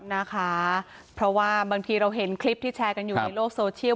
นะคะเพราะว่าบางทีเราเห็นคลิปที่แชร์กันอยู่ในโลกโซเชียล